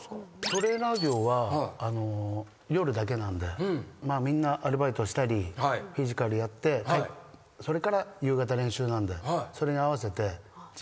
トレーナー業は夜だけなんでみんなアルバイトをしたりフィジカルやってそれから夕方練習なんでそれに合わせて自分も。